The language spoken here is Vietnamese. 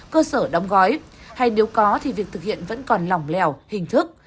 cơ sở đóng gói hay nếu có thì việc thực hiện vẫn còn lỏng lẻo hình thức